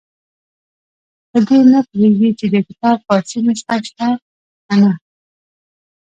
په دې نه پوهېږي چې د کتاب فارسي نسخه شته که نه.